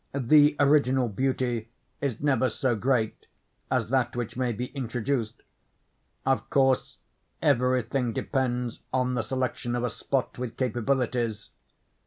The original beauty is never so great as that which may be introduced. Of course, every thing depends on the selection of a spot with capabilities.